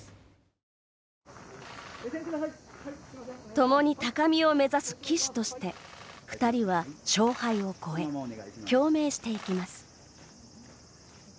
共に高みを目指す棋士として二人は勝敗を超え共鳴していきます。